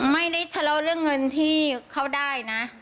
ไม่ได้ทะเลาะเรื่องเงินที่เขาได้นะ